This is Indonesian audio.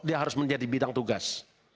dia harus menjadi bidang tugas